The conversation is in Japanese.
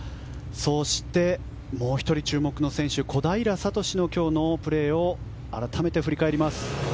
そして、もう１人注目の選手小平智の今日のプレーを改めて振り返ります。